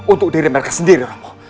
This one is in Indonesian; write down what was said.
untuk diri mereka sendiri romo